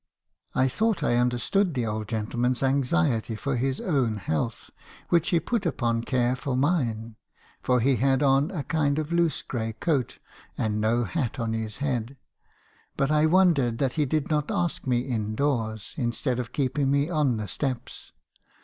"I thought I understood the old gentleman's anxiety for his own health, which he put upon care for mine, for he had on a kind of loose grey coat, and no hat on his head. ButI wondered that he did not ask me in doors, instead of keeping me on the steps.